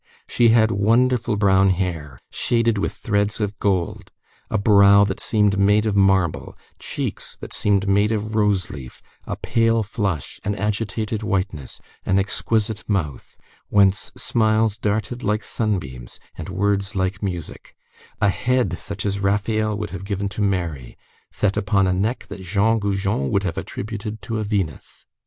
She had wonderful brown hair, shaded with threads of gold, a brow that seemed made of marble, cheeks that seemed made of rose leaf, a pale flush, an agitated whiteness, an exquisite mouth, whence smiles darted like sunbeams, and words like music, a head such as Raphael would have given to Mary, set upon a neck that Jean Goujon would have attributed to a Venus.